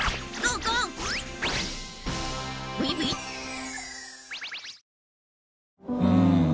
うん。